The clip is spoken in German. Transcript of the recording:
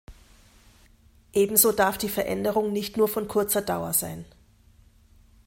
Ebenso darf die Veränderung nicht nur von kurzer Dauer sein.